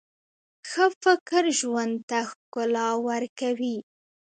ښه فکر ژوند ته ښکلا ورکوي.